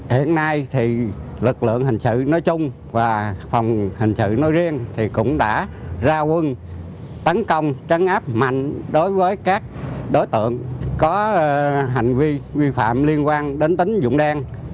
hiện nay lực lượng hành sự nói chung và phòng hành sự nói riêng cũng đã ra quân tấn công trấn áp mạnh đối với các đối tượng có hành vi vi phạm liên quan đến tính dụng đen